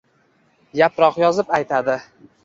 yaproq yozib aytadi